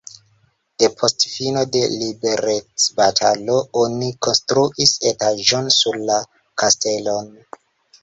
Depost fino de liberecbatalo oni konstruis etaĝon sur la kastelon.